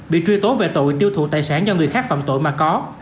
bị truy tố về tội tiêu thụ tài sản do người khác phạm tội mà có